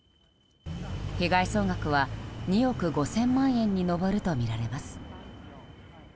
被害総額は２億５０００万円に上るとみられます。